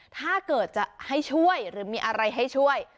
ถ้าเกิดจะให้ช่วยหรือมีอะไรให้ช่วย